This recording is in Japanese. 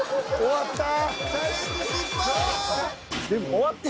終わった。